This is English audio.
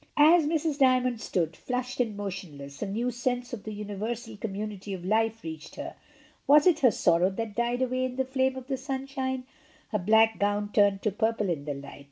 As Mrs. Dymond stood, flushed and motionless, a new sense of the universal community of life reached her, was it her sorrow that died away in the flame of the sunshine? Her black gown turned to purple in the light.